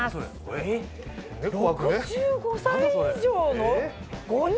えっ６５歳以上の。